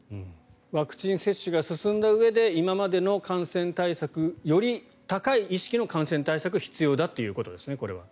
ワクチン接種が進んだうえで今までの感染対策より高い意識の感染対策が必要だということですね。